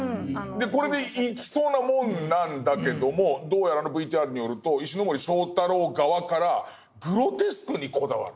これでいきそうなもんなんだけどもどうやらあのＶＴＲによると石森章太郎側からグロテスクにこだわる。